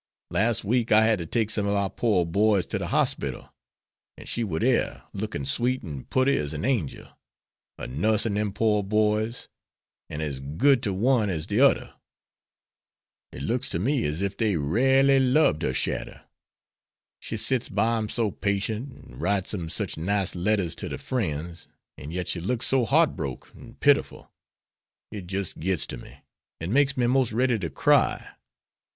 Las' week I had to take some of our pore boys to de hospital, an' she war dere, lookin' sweet an' putty ez an angel, a nussin' dem pore boys, an' ez good to one ez de oder. It looks to me ez ef dey ralely lob'd her shadder. She sits by 'em so patient, an' writes 'em sech nice letters to der frens, an' yit she looks so heart broke an' pitiful, it jis' gits to me, an' makes me mos' ready to cry.